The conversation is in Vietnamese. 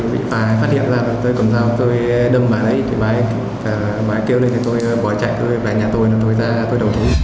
bị phát hiện ra là tôi cầm dao tôi đâm bà ấy bà ấy kêu lên tôi bỏ chạy bà ấy nhà tôi tôi đổ chú